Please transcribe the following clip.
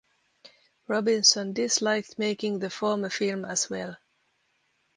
Robinson disliked making the former film as well.